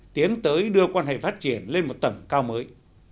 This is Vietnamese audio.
tiến tới đưa quan hệ phát triển lên một tầm cao mới